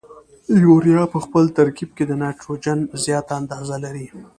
یوریا په خپل ترکیب کې د نایتروجن زیاته اندازه لري.